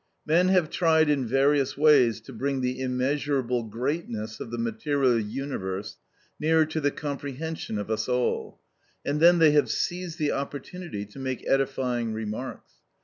Men have tried in various ways to bring the immeasurable greatness of the material universe nearer to the comprehension of us all, and then they have seized the opportunity to make edifying remarks.